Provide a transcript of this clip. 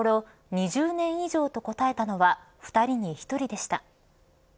２０年以上と答えたのは２人に１人でした。